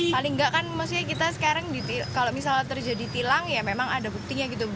paling nggak kan maksudnya kita sekarang kalau misalnya terjadi tilang ya memang ada buktinya gitu